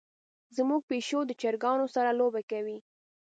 زمونږ پیشو د چرګانو سره لوبه کوي.